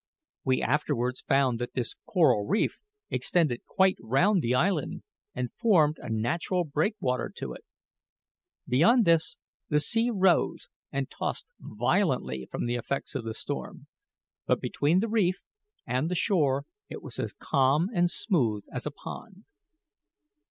We afterwards found that this coral reef extended quite round the island, and formed a natural breakwater to it. Beyond this, the sea rose and tossed violently from the effects of the storm; but between the reef and the shore it was as calm and as smooth as a pond.